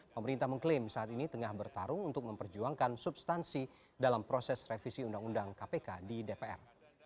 pemerintah mengklaim saat ini tengah bertarung untuk memperjuangkan substansi dalam proses revisi undang undang kpk di dpr